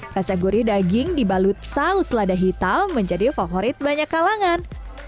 rasa gurih daging dibalut saus lada hitam menjadi favorit banyak kalangan